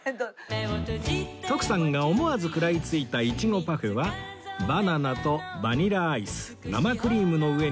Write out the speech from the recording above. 徳さんが思わず食らいついた苺パフェはバナナとバニラアイス生クリームの上にたっぷりの苺